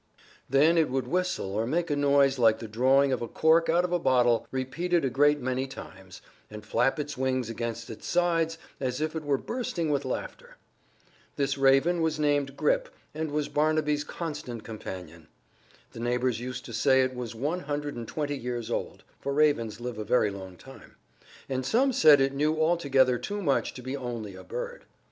Then it would whistle or make a noise like the drawing of a cork out of a bottle, repeated a great many times, and flap its wings against its sides as if it were bursting with laughter. This raven was named Grip and was Barnaby's constant companion. The neighbors used to say it was one hundred and twenty years old (for ravens live a very long time), and some said it knew altogether too much to be only a bird.